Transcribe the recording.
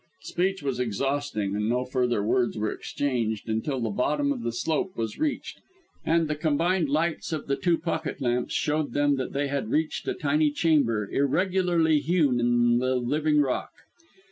Speech was exhausting, and no further words were exchanged until the bottom of the slope was reached, and the combined lights of the two pocket lamps showed them that they had reached a tiny chamber irregularly hewn in the living rock.